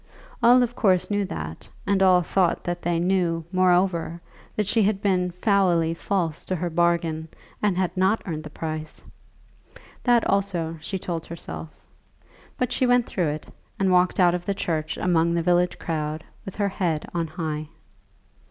All of course knew that, and all thought that they knew, moreover, that she had been foully false to her bargain, and had not earned the price! That, also, she told herself. But she went through it, and walked out of the church among the village crowd with her head on high.